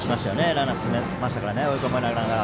ランナー、進めましたから追い込まれながら。